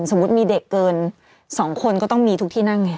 สมมุติมีเด็กเกิน๒คนก็ต้องมีทุกที่นั่งไง